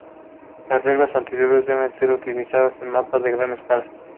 Las reglas anteriores deben ser utilizadas en mapas de gran escala.